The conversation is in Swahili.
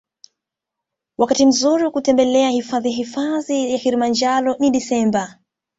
Wakati mzuri wa kutembelea hifadhi hifadhi ya kilimanjaro ni desemba